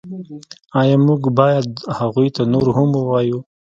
ایا موږ باید هغوی ته نور څه هم ووایو